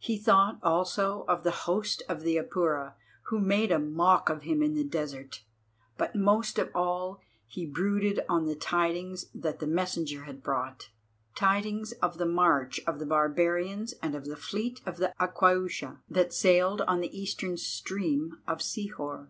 He thought also of the host of the Apura, who made a mock of him in the desert. But most of all he brooded on the tidings that the messenger had brought, tidings of the march of the barbarians and of the fleet of the Aquaiusha that sailed on the eastern stream of Sihor.